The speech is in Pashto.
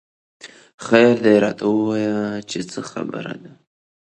خېر دۍ راته وويه چې څه خبره ده